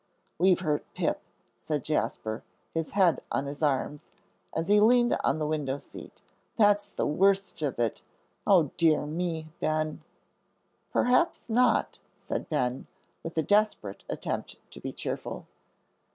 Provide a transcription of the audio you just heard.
"We've hurt Pip," said Jasper, his head on his arms, as he leaned on the window seat. "That's the worst of it. O dear me, Ben!" "Perhaps not," said Ben, with a desperate attempt to be cheerful.